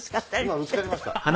今ぶつかりました。